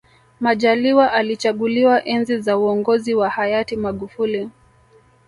majaliwa alichaguliwa enzi za uongozi wa hayati magufuli